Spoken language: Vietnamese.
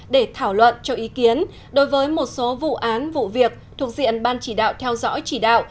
để thảo luận cho ý kiến đối với một số vụ án vụ việc thuộc diện ban chỉ đạo theo dõi chỉ đạo